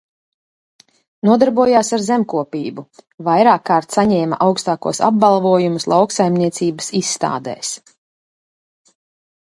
Nodarbojās ar zemkopību, vairākkārt saņēma augstākos apbalvojumus lauksaimniecības izstādēs.